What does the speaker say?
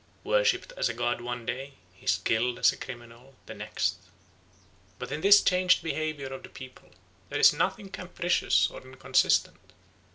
Worshipped as a god one day, he is killed as a criminal the next. But in this changed behaviour of the people there is nothing capricious or inconsistent.